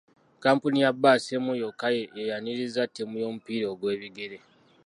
kkampuni ya bbaasi emu yokka y'eyanirizza ttiimu y'omupiira ogw'ebigere.